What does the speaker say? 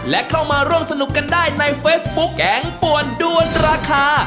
และเข้ามาร่วมสนุกกันได้ในเฟซบุ๊คแกงป่วนด้วนราคา